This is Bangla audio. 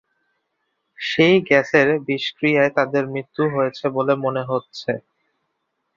সেই গ্যাসের বিষক্রিয়ায় তাঁদের মৃত্যু হয়েছে বলে মনে হচ্ছে।